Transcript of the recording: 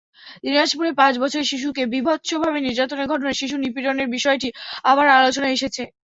দিনাজপুরে পাঁচ বছরের শিশুকে বীভৎসভাবে নির্যাতনের ঘটনায় শিশু নিপীড়নের বিষয়টি আবার আলোচনায় এসেছে।